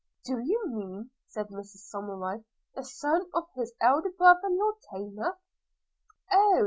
'Do you mean,' said Mrs Somerive, 'the son of his elder brother, Lord Taymouth?' 'Oh!